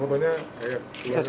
tugaannya sudah jelas